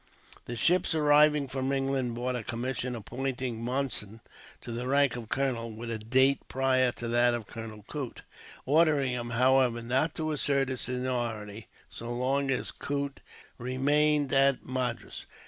The ships arriving from England brought a commission appointing Monson to the rank of Colonel, with a date prior to that of Colonel Coote; ordering him, however, not to assert his seniority, so long as Coote remained at Madras.